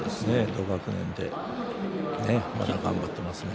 同学年でまだ頑張っていますね。